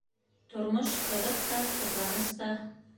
— Тормош ҡыҙыҡ та, ҡыҙғаныс та.